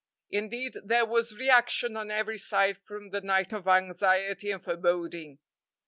Indeed, there was reaction on every side from the night of anxiety and foreboding.